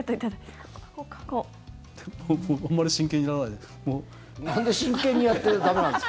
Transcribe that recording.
あんまり真剣にやらないで。